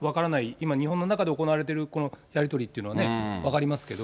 今、日本の中で行われてるこのやり取りっていうのはね、分かりますけど。